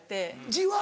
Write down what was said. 字は？